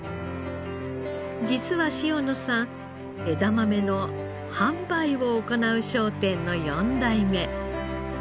実は塩野さん枝豆の販売を行う商店の４代目。